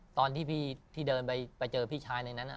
ตอนที่พี่เดินไปเจอพี่ชายในนั้น